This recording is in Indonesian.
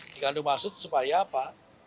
dikandung maksud supaya apa